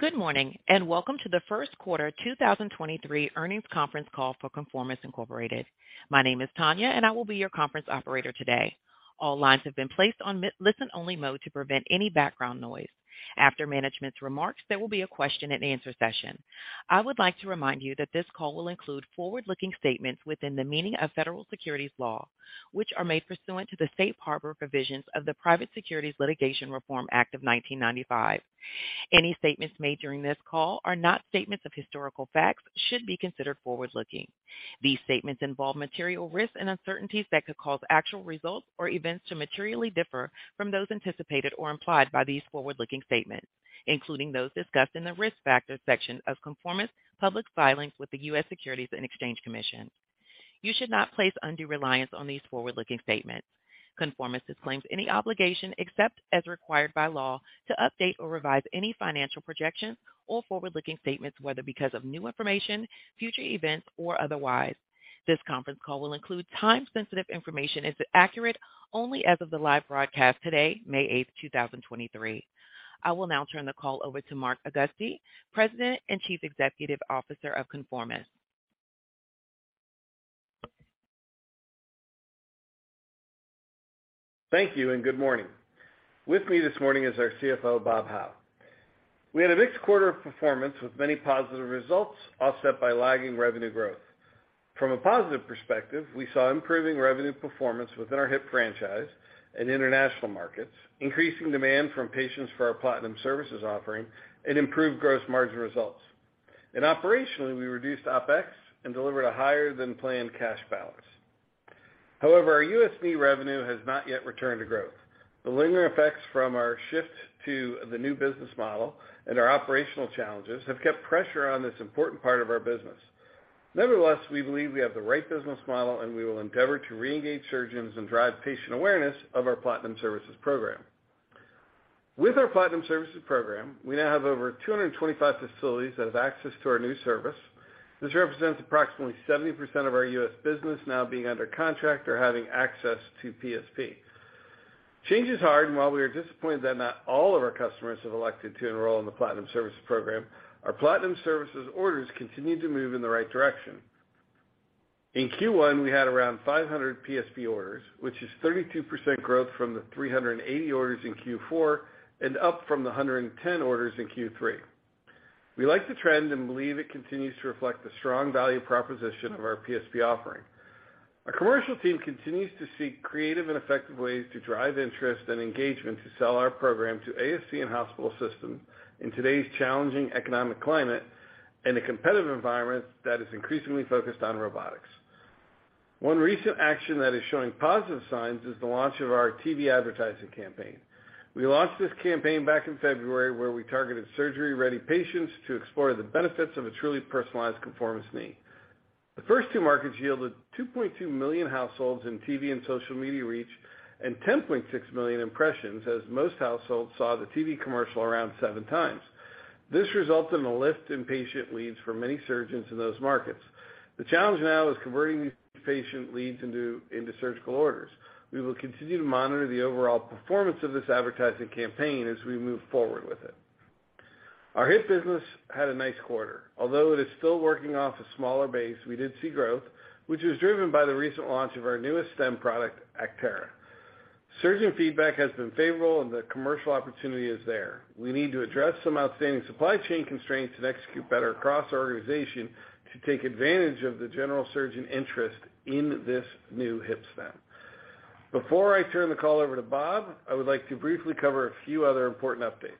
Good morning, welcome to the first quarter 2023 earnings conference call for Conformis, Inc. My name is Tanya, and I will be your conference operator today. All lines have been placed on listen-only mode to prevent any background noise. After management's remarks, there will be a question and answer session. I would like to remind you that this call will include forward-looking statements within the meaning of federal securities law, which are made pursuant to the safe harbor provisions of the Private Securities Litigation Reform Act of 1995. Any statements made during this call are not statements of historical facts should be considered forward-looking. These statements involve material risks and uncertainties that could cause actual results or events to materially differ from those anticipated or implied by these forward-looking statements, including those discussed in the Risk Factors section of Conformis public filings with the U.S. Securities and Exchange Commission. You should not place undue reliance on these forward-looking statements. Conformis disclaims any obligation, except as required by law, to update or revise any financial projections or forward-looking statements, whether because of new information, future events, or otherwise. This conference call will include time-sensitive information, is accurate only as of the live broadcast today, May 8, 2023. I will now turn the call over to Mark Augusti, President and Chief Executive Officer of Conformis. Thank you, and good morning. With me this morning is our CFO, Bob Howe. We had a mixed quarter of performance with many positive results, offset by lagging revenue growth. From a positive perspective, we saw improving revenue performance within our hip franchise in international markets, increasing demand from patients for our Platinum Services offering, and improved gross margin results. Operationally, we reduced OPEX and delivered a higher than planned cash balance. Our U.S. knee revenue has not yet returned to growth. The linear effects from our shift to the new business model and our operational challenges have kept pressure on this important part of our business. We believe we have the right business model, and we will endeavor to reengage surgeons and drive patient awareness of our Platinum Services program. With our Platinum Services Program, we now have over 225 facilities that have access to our new service. This represents approximately 70% of our U.S. business now being under contract or having access to PSP. Change is hard. While we are disappointed that not all of our customers have elected to enroll in the Platinum Services Program, our Platinum Services orders continue to move in the right direction. In Q1, we had around 500 PSP orders, which is 32% growth from the 380 orders in Q4 and up from the 110 orders in Q3. We like the trend and believe it continues to reflect the strong value proposition of our PSP offering. Our commercial team continues to seek creative and effective ways to drive interest and engagement to sell our program to ASC and hospital systems in today's challenging economic climate and a competitive environment that is increasingly focused on robotics. One recent action that is showing positive signs is the launch of our TV advertising campaign. We launched this campaign back in February, where we targeted surgery-ready patients to explore the benefits of a truly personalized Conformis knee. The first two markets yielded 2.2 million households in TV and social media reach and 10.6 million impressions, as most households saw the TV commercial around seven times. This resulted in a lift in patient leads for many surgeons in those markets. The challenge now is converting these patient leads into surgical orders. We will continue to monitor the overall performance of this advertising campaign as we move forward with it. Our hip business had a nice quarter. Although it is still working off a smaller base, we did see growth, which was driven by the recent launch of our newest stem product, Actera. Surgeon feedback has been favorable and the commercial opportunity is there. We need to address some outstanding supply chain constraints and execute better across our organization to take advantage of the general surgeon interest in this new hip stem. Before I turn the call over to Bob, I would like to briefly cover a few other important updates.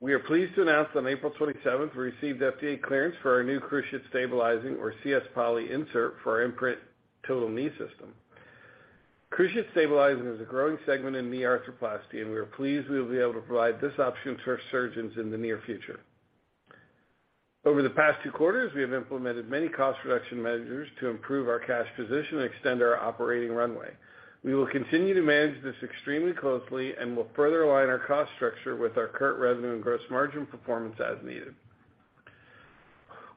We are pleased to announce on April 27th, we received FDA clearance for our new Cruciate Stabilizing or CS poly insert for our Imprint total knee system. Cruciate Stabilizing is a growing segment in knee arthroplasty, we are pleased we will be able to provide this option for our surgeons in the near future. Over the past two quarters, we have implemented many cost reduction measures to improve our cash position and extend our operating runway. We will continue to manage this extremely closely and will further align our cost structure with our current revenue and gross margin performance as needed.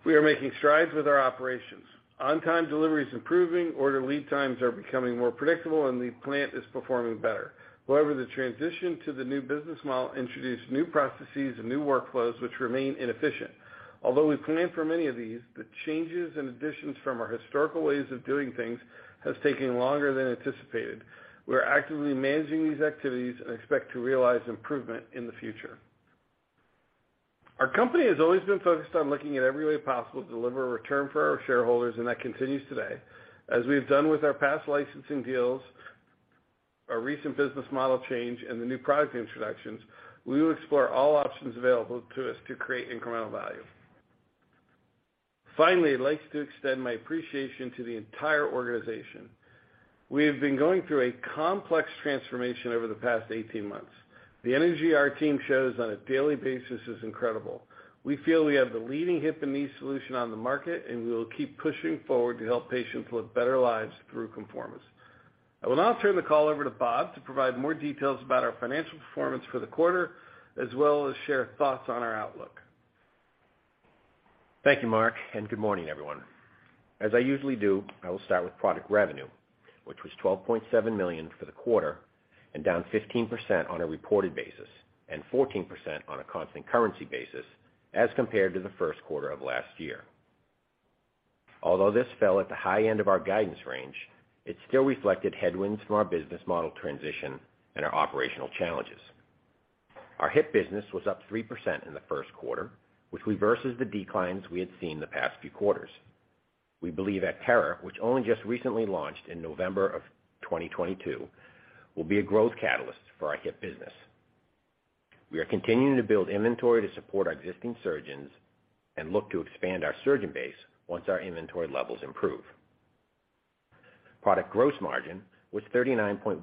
We are making strides with our operations. On-time delivery is improving, order lead times are becoming more predictable, and the plant is performing better. However, the transition to the new business model introduced new processes and new workflows which remain inefficient. Although we planned for many of these, the changes and additions from our historical ways of doing things has taken longer than anticipated. We are actively managing these activities and expect to realize improvement in the future. Our company has always been focused on looking at every way possible to deliver a return for our shareholders, and that continues today. As we have done with our past licensing deals, our recent business model change, and the new product introductions, we will explore all options available to us to create incremental value. Finally, I'd like to extend my appreciation to the entire organization. We have been going through a complex transformation over the past 18 months. The energy our team shows on a daily basis is incredible. We feel we have the leading hip and knee solution on the market, and we will keep pushing forward to help patients live better lives through Conformis. I will now turn the call over to Bob to provide more details about our financial performance for the quarter, as well as share thoughts on our outlook. Thank you, Mark. Good morning, everyone. As I usually do, I will start with product revenue, which was $12.7 million for the quarter and down 15% on a reported basis, and 14% on a constant currency basis as compared to the first quarter of last year. Although this fell at the high end of our guidance range, it still reflected headwinds from our business model transition and our operational challenges. Our hip business was up 3% in the first quarter, which reverses the declines we had seen the past few quarters. We believe Actera, which only just recently launched in November of 2022, will be a growth catalyst for our hip business. We are continuing to build inventory to support our existing surgeons and look to expand our surgeon base once our inventory levels improve. Product gross margin was 39.1%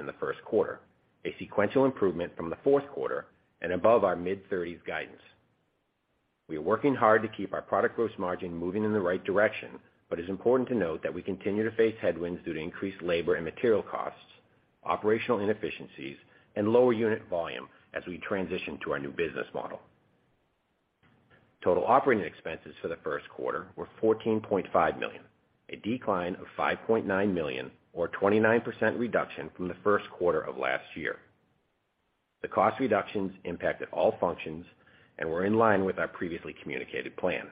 in the first quarter, a sequential improvement from the fourth quarter and above our mid-thirties guidance. We are working hard to keep our product gross margin moving in the right direction, but it's important to note that we continue to face headwinds due to increased labor and material costs, operational inefficiencies, and lower unit volume as we transition to our new business model. Total operating expenses for the first quarter were $14.5 million, a decline of $5.9 million or 29% reduction from the first quarter of last year. The cost reductions impacted all functions and were in line with our previously communicated plan.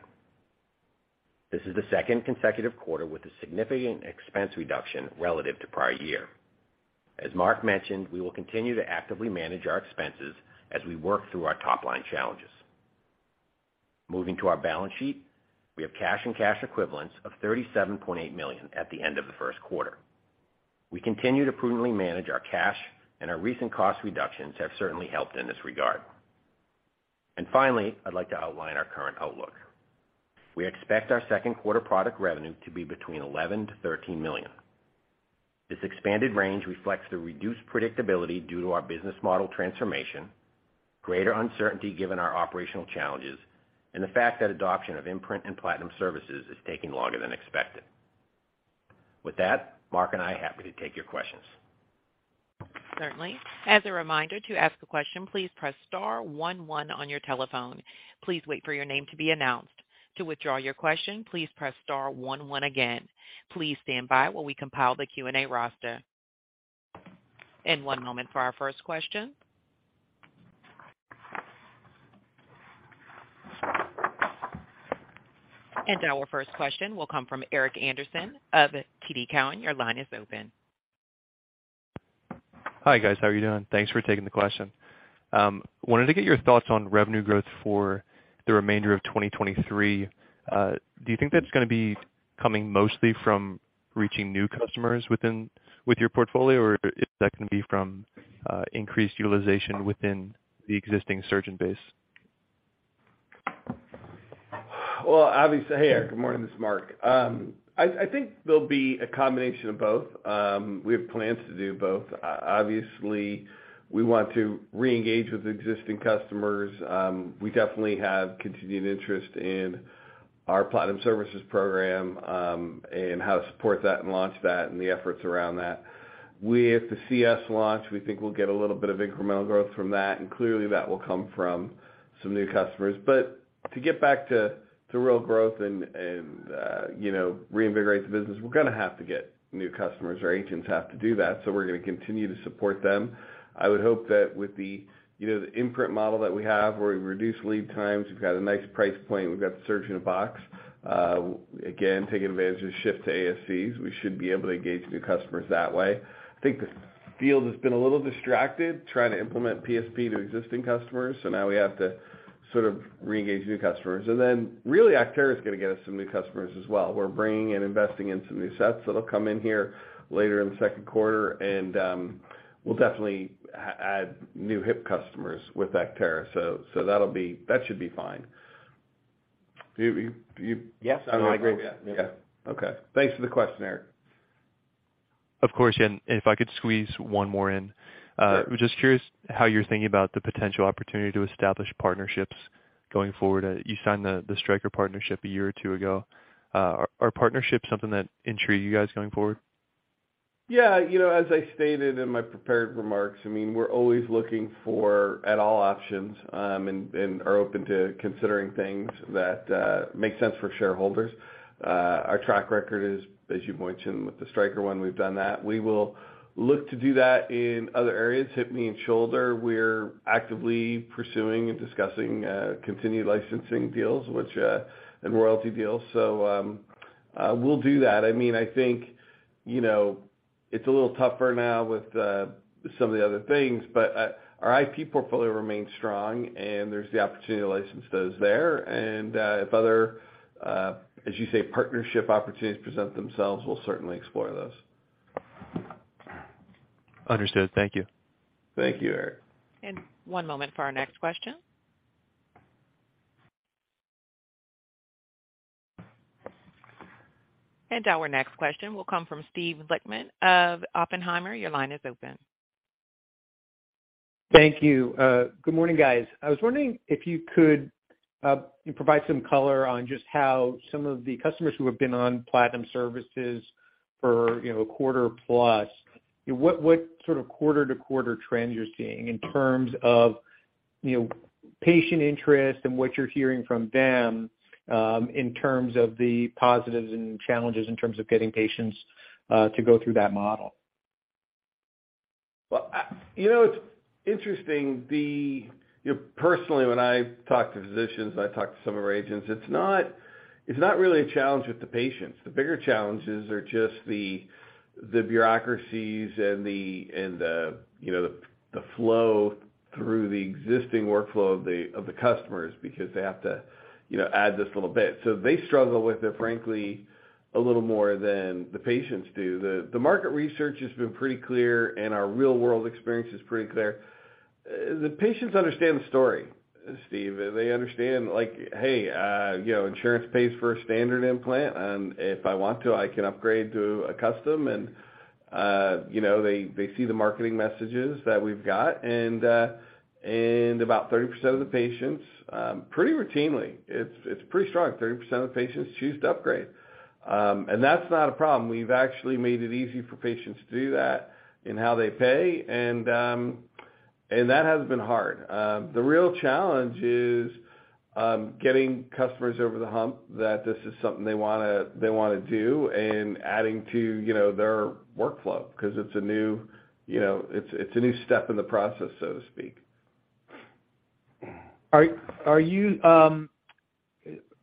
This is the second consecutive quarter with a significant expense reduction relative to prior year. As Mark mentioned, we will continue to actively manage our expenses as we work through our top line challenges. Moving to our balance sheet, we have cash and cash equivalents of $37.8 million at the end of the first quarter. We continue to prudently manage our cash, and our recent cost reductions have certainly helped in this regard. Finally, I'd like to outline our current outlook. We expect our second quarter product revenue to be between $11 million-$13 million. This expanded range reflects the reduced predictability due to our business model transformation, greater uncertainty given our operational challenges, and the fact that adoption of Imprint and Platinum Services is taking longer than expected. With that, Mark and I are happy to take your questions. Certainly. As a reminder, to ask a question, please press star one one on your telephone. Please wait for your name to be announced. To withdraw your question, please press star one one again. Please stand by while we compile the Q&A roster. One moment for our first question. Our first question will come from Eric Anderson of TD Cowen. Your line is open. Hi, guys. How are you doing? Thanks for taking the question. Wanted to get your thoughts on revenue growth for the remainder of 2023. Do you think that's gonna be coming mostly from reaching new customers with your portfolio, or is that gonna be from increased utilization within the existing surgeon base? Well, obviously. Hey, Eric. Good morning. This is Mark. I think there'll be a combination of both. We have plans to do both. Obviously, we want to reengage with existing customers. We definitely have continued interest in our Platinum Services program, and how to support that and launch that and the efforts around that. With the CS launch, we think we'll get a little bit of incremental growth from that, and clearly that will come from some new customers. To get back to real growth and, you know, reinvigorate the business, we're gonna have to get new customers. Our agents have to do that, so we're gonna continue to support them. I would hope that with the, you know, the Imprint model that we have where we reduce lead times, we've got a nice price point, we've got the Surgery-in-a-Box, again, taking advantage of the shift to ASCs, we should be able to engage new customers that way. I think the field has been a little distracted trying to implement PSP to existing customers, now we have to sort of reengage new customers. Really, Actera's gonna get us some new customers as well. We're bringing and investing in some new sets, they'll come in here later in the second quarter and, we'll definitely add new hip customers with Actera. That should be fine. Do you? Yes, I would agree. Oh, yeah. Yeah. Okay. Thanks for the question, Eric. Of course. If I could squeeze one more in. Sure. I'm just curious how you're thinking about the potential opportunity to establish partnerships going forward. You signed the Stryker partnership a year or 2 ago. Are partnerships something that intrigue you guys going forward? Yeah. You know, as I stated in my prepared remarks, I mean, we're always looking for at all options, and are open to considering things that make sense for shareholders. Our track record is, as you've mentioned with the Stryker one, we've done that. We will look to do that in other areas. Hip, knee, and shoulder, we're actively pursuing and discussing continued licensing deals, which and royalty deals. We'll do that. I mean, I think, you know, it's a little tougher now with some of the other things, but our IP portfolio remains strong, and there's the opportunity to license those there. If other, as you say, partnership opportunities present themselves, we'll certainly explore those. Understood. Thank you. Thank you, Eric. One moment for our next question. Our next question will come from Steve Lichtman of Oppenheimer. Your line is open. Thank you. Good morning, guys. I was wondering if you could provide some color on just how some of the customers who have been on Platinum Services for, you know, a quarter plus, what sort of quarter-to-quarter trends you're seeing in terms of, you know, patient interest and what you're hearing from them, in terms of the positives and challenges in terms of getting patients to go through that model? You know, it's interesting. Personally, when I talk to physicians, I talk to some of our agents, it's not, it's not really a challenge with the patients. The bigger challenges are just the bureaucracies and the, you know, the flow through the existing workflow of the customers because they have to, you know, add just a little bit. They struggle with it, frankly, a little more than the patients do. The market research has been pretty clear, and our real-world experience is pretty clear. The patients understand the story, Steve. They understand, like, "Hey, you know, insurance pays for a standard implant, and if I want to, I can upgrade to a custom." You know, they see the marketing messages that we've got, and about 30% of the patients, pretty routinely, it's pretty strong. 30% of patients choose to upgrade. That's not a problem. We've actually made it easy for patients to do that in how they pay, and that hasn't been hard. The real challenge is getting customers over the hump that this is something they wanna do and adding to, you know, their workflow because it's a new, you know, it's a new step in the process, so to speak. Are you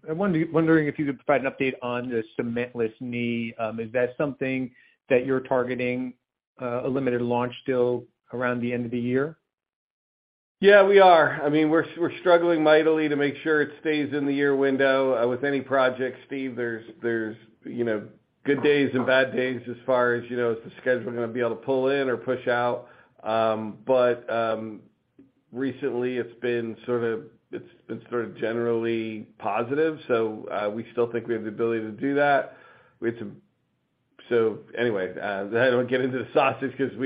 wondering if you could provide an update on the cementless knee? Is that something that you're targeting a limited launch still around the end of the year? We are. I mean, we're struggling mightily to make sure it stays in the year window. With any project, Steve, there's, you know, good days and bad days as far as, you know, is the schedule gonna be able to pull in or push out. Recently it's been sort of generally positive, so we still think we have the ability to do that. Anyway, I don't want to get into the sausage because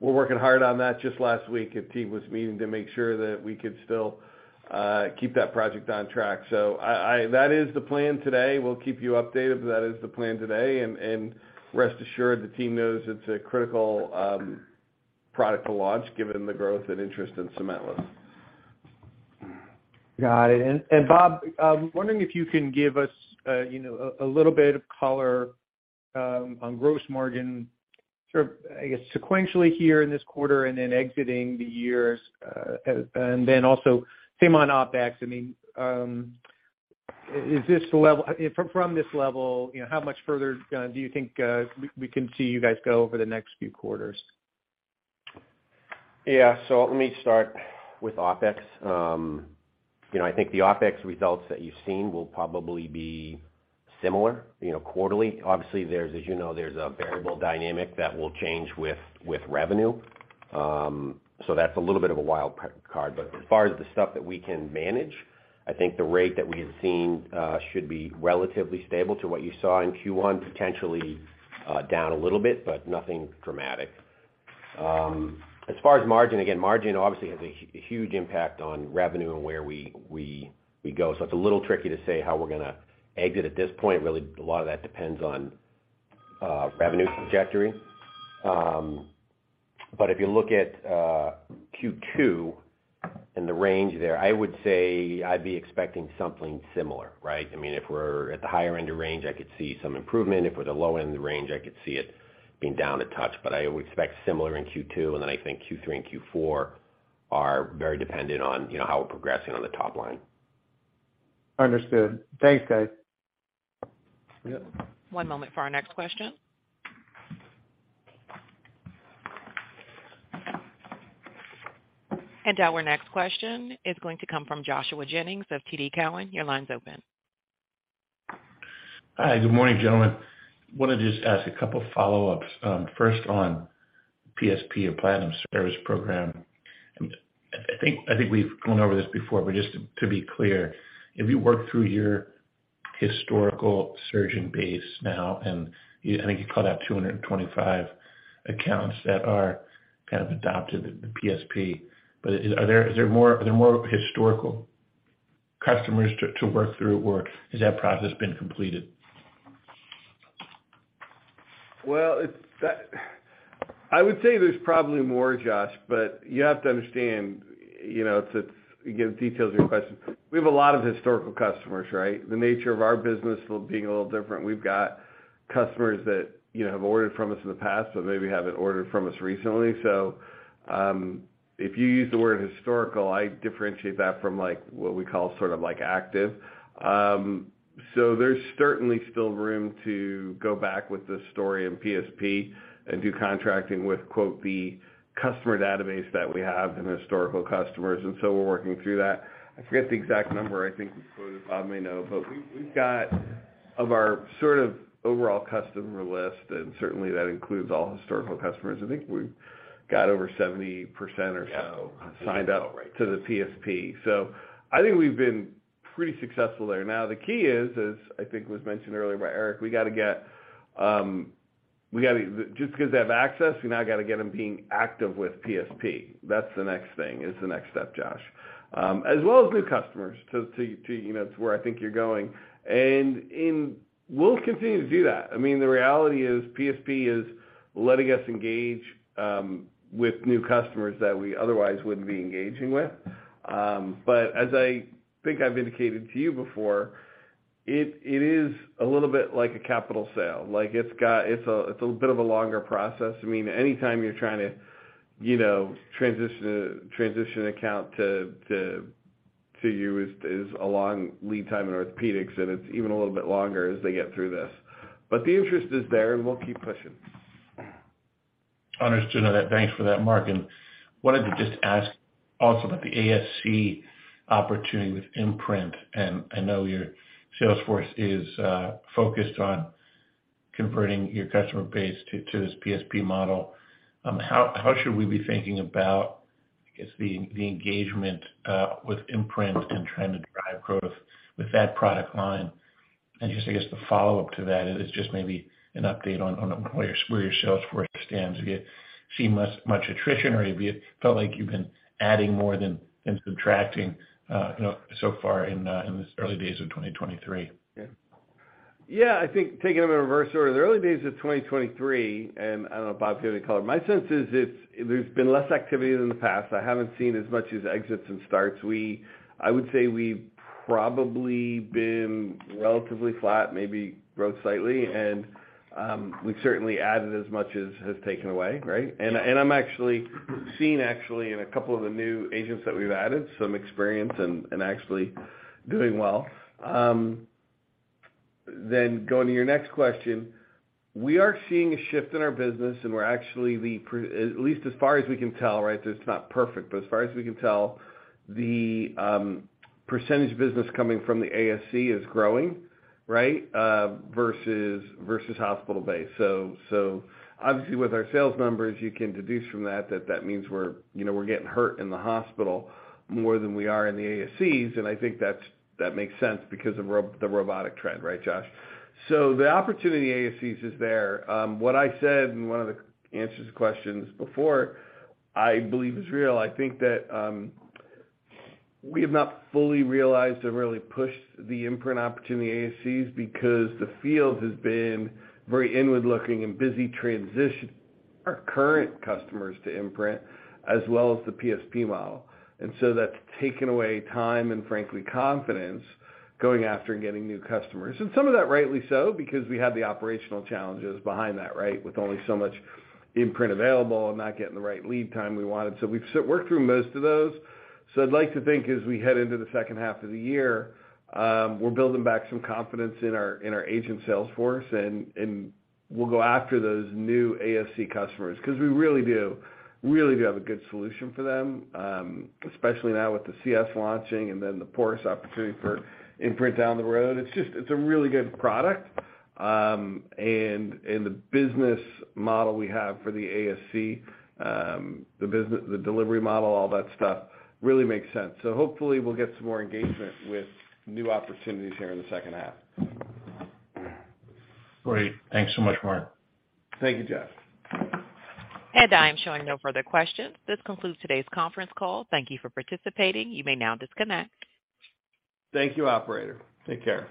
we're working hard on that just last week. The team was meeting to make sure that we could still keep that project on track. That is the plan today. We'll keep you updated, but that is the plan today. Rest assured the team knows it's a critical product to launch given the growth and interest in cementless. Got it. Bob, wondering if you can give us, you know, a little bit of color, on gross margin, sort of, I guess, sequentially here in this quarter and then exiting the years, and then also same on OPEX. I mean, from this level, you know, how much further do you think we can see you guys go over the next few quarters? Yeah. Let me start with OpEx. You know, I think the OpEx results that you've seen will probably be similar, you know, quarterly. Obviously, there's, as you know, there's a variable dynamic that will change with revenue. That's a little bit of a wild card. As far as the stuff that we can manage, I think the rate that we have seen should be relatively stable to what you saw in Q1, potentially down a little bit, but nothing dramatic. As far as margin, again, margin obviously has a huge impact on revenue and where we go. It's a little tricky to say how we're gonna exit at this point. Really, a lot of that depends on revenue trajectory. If you look at Q2 and the range there, I would say I'd be expecting something similar, right? I mean, if we're at the higher end of range, I could see some improvement. If we're at the low end of the range, I could see it being down a touch. I would expect similar in Q2. I think Q3 and Q4 are very dependent on how we're progressing on the top line. Understood. Thanks, guys. Yeah. One moment for our next question. Our next question is going to come from Joshua Jennings of TD Cowen. Your line's open. Hi. Good morning, gentlemen. Wanted to just ask a couple follow-ups, first on PSP or Platinum Service Program. I think we've gone over this before, just to be clear, if you work through your historical surgeon base now, I think you called out 225 accounts that are kind of adopted in PSP. Are there more historical customers to work through, or has that process been completed? It's I would say there's probably more, Josh, but you have to understand, you know, to give details of your question. We have a lot of historical customers, right? The nature of our business being a little different. We've got customers that, you know, have ordered from us in the past, but maybe haven't ordered from us recently. If you use the word historical, I differentiate that from like what we call sort of like active. There's certainly still room to go back with this story in PSP and do contracting with, quote, the customer database that we have and historical customers, we're working through that. I forget the exact number. I think, quote, Bob may know, but we've got of our sort of overall customer list, and certainly that includes all historical customers. I think we've got over 70% or so signed up to the PSP. I think we've been pretty successful there. Now, the key is, as I think was mentioned earlier by Eric, we got to get Just because they have access, we now got to get them being active with PSP. That's the next thing, is the next step, Josh. As well as new customers to, you know, it's where I think you're going. We'll continue to do that. I mean, the reality is PSP is letting us engage with new customers that we otherwise wouldn't be engaging with. As I think I've indicated to you before, it is a little bit like a capital sale. Like, it's a bit of a longer process. I mean, anytime you're trying to, you know, transition account to you is a long lead time in orthopedics, and it's even a little bit longer as they get through this. The interest is there, and we'll keep pushing. Understood on that. Thanks for that, Mark. Wanted to just ask also about the ASC opportunity with Imprint. I know your sales force is focused on converting your customer base to this PSP model. How should we be thinking about, I guess, the engagement with Imprint and trying to drive growth with that product line? Just, I guess, the follow-up to that is just maybe an update on where your sales force stands. Have you seen much attrition, or have you felt like you've been adding more than subtracting, you know, so far in this early days of 2023? Yeah. I think taking a reverse order, the early days of 2023, I don't know, Bob, if you want to comment. My sense is there's been less activity than the past. I haven't seen as much as exits and starts. I would say we've probably been relatively flat, maybe growth slightly. We've certainly added as much as has taken away, right? I'm actually seeing actually in a couple of the new agents that we've added some experience and actually doing well. Going to your next question, we are seeing a shift in our business, and we're actually at least as far as we can tell, right, so it's not perfect, but as far as we can tell, the percentage business coming from the ASC is growing, right, versus hospital-based. Obviously with our sales numbers, you can deduce from that that means we're, you know, we're getting hurt in the hospital more than we are in the ASCs, and I think that makes sense because of the robotic trend, right, Josh? The opportunity ASCs is there. What I said in one of the answers to questions before, I believe is real. I think that we have not fully realized or really pushed the Imprint opportunity ASCs because the field has been very inward-looking and busy transition our current customers to Imprint as well as the PSP model. That's taken away time and frankly, confidence going after and getting new customers. Some of that rightly so, because we had the operational challenges behind that, right? With only so much Imprint available and not getting the right lead time we wanted. We've worked through most of those. I'd like to think as we head into the second half of the year, we're building back some confidence in our agent sales force, and we'll go after those new ASC customers because we really do have a good solution for them, especially now with the CS launching and then the porous opportunity for Imprint down the road. It's a really good product. And the business model we have for the ASC, the business, the delivery model, all that stuff really makes sense. Hopefully we'll get some more engagement with new opportunities here in the second half. Great. Thanks so much, Mark. Thank you, Josh. I am showing no further questions. This concludes today's conference call. Thank you for participating. You may now disconnect. Thank you, operator. Take care.